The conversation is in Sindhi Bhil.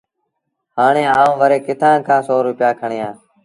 هآڻي آئوݩ وري ڪٿآݩ کآݩ سو روپيآ کڻيٚ آݩ